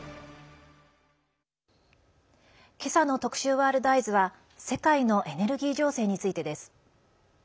今朝の特集「ワールドＥＹＥＳ」は世界のエネルギー情勢についてです。